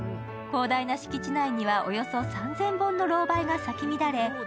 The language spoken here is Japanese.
広大な敷地内にはおよそ３０００本のろうばいが咲き乱れ